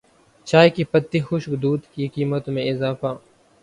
چائے کی پتی خشک دودھ کی قیمتوں میں اضافہ